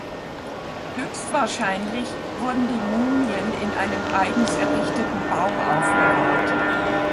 Höchstwahrscheinlich wurden die Mumien in einem eigens errichteten Bau aufbewahrt.